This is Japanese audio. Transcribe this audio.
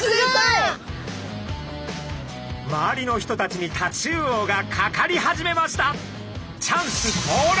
周りの人たちにタチウオがかかり始めました。